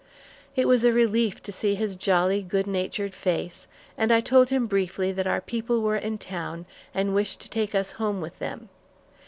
It was a relief to see his jolly, good natured face, and I told him briefly that our people were in town and wished to take us home with them.